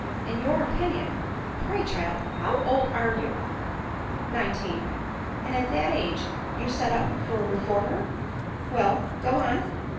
" In your opinion ! Pray, child, how old are you ?"" Nineteen." " And at that age you set up for a reformer ? Well, go on.